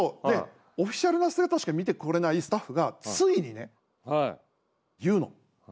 オフィシャルな姿しか見てこれないスタッフがついにね、言うの。